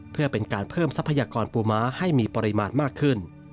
เพื่อเป็นการเพิ่มทรัพยากรปูม้าให้มีปริมาณมากขึ้น